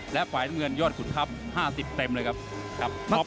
และฝ่ายน้ำเงินยอดขุนทัพ๕๐เต็มเลยครับ